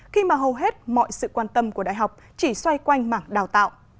khi mà hầu hết mọi sự quan tâm của đại học chỉ xoay quanh mảng đào tạo